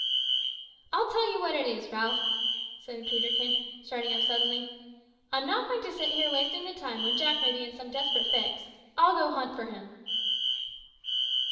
"I'll tell you what it is, Ralph," cried Peterkin, starting up suddenly: "I'm not going to sit here wasting the time when Jack may be in some desperate fix. I'll go and hunt for him."